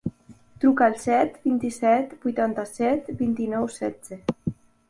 Truca al set, vint-i-set, vuitanta-set, vint-i-nou, setze.